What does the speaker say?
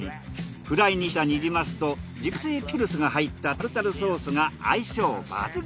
フライにしたニジマスと自家製ピクルスが入ったタルタルソースが相性抜群。